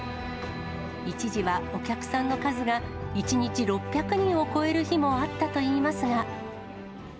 一時はお客さんの数が１日６００人を超える日もあったといいますが。